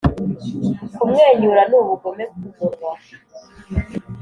'kumwenyura ni ubugome kumunwa